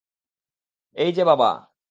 এই যে, বাবা।